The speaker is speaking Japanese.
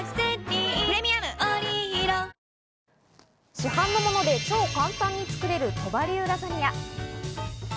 市販のもので超簡単に作れる鳥羽流ラザニア。